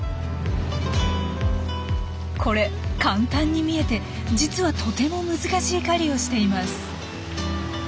これ簡単に見えて実はとても難しい狩りをしています。